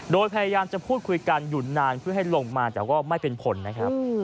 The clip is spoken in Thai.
โดยพยายามจะพูดคุยกันอยู่นานเพื่อให้ลงมาแต่ว่าไม่เป็นผลนะครับ